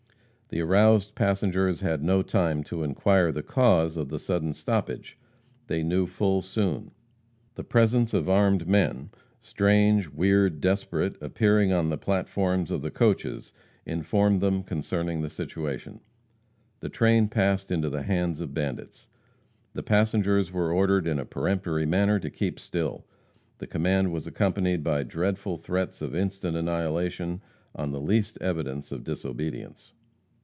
The aroused passengers had no time to inquire the cause of the sudden stoppage. They knew full soon. The presence of armed men strange, weird, desperate appearing on the platforms of the coaches informed them concerning the situation. The train passed into the hands of bandits. The passengers were ordered in a peremptory manner to keep still. The command was accompanied by dreadful threats of instant annihilation on the least evidence of disobedience.